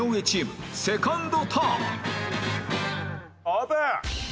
オープン！